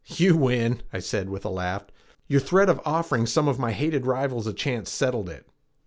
"You win," I said with a laugh. "Your threat of offering some of my hated rivals a chance settled it."